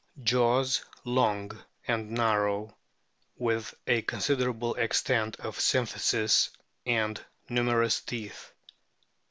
Jaws long and narrow with a considerable extent of symphysis, and numerous teeth.